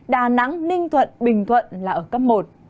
đà nẵng ninh thuận bình thuận là ở cấp một